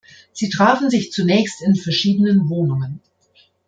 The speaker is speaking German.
Sie trafen sich zunächst in verschiedenen Wohnungen.